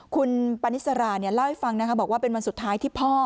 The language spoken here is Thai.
คุณปานิสราเล่าให้ฟังนะคะบอกว่าเป็นวันสุดท้ายที่พ่อ